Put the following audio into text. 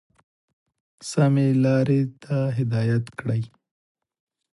سمي لاري ته هدايت كړي،